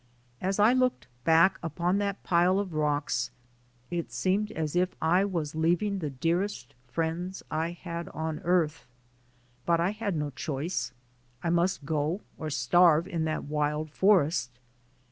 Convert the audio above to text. As I looked back upon that pile of rocks, it seemed as if I was leaving the dearest friends I had on earth. But I had no choice I must go or starve in that wild forest.